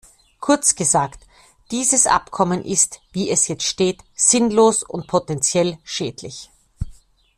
Kurz gesagt, dieses Abkommen ist, wie es jetzt steht, sinnlos und potenziell schädlich.